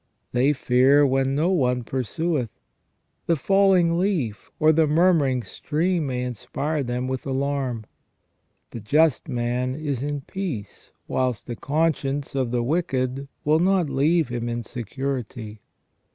They fear when no one pursueth. The falling leaf or the murmuring stream may inspire them with alarm. The just man is in peace whilst the con science of the wicked will not leave him" in security.